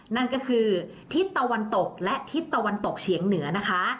นั่นก็คือทฤษตตกและทฤษตตกเฉียงเหนือนะคะ